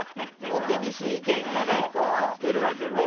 お厳しい意見が来てるわけだ。